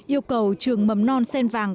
yêu cầu trường mầm non sen vàng